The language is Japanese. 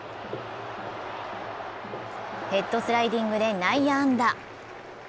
ヘッドスライディングで内野安打。